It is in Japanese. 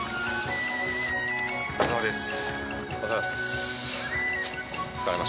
お疲れさまです。